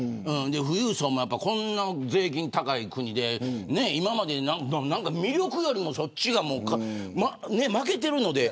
富裕層もこんな税金高い国で何か魅力よりもそっちが負けてるので。